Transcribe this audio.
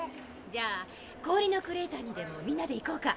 じゃあ氷のクレーターにでもみんなで行こうか。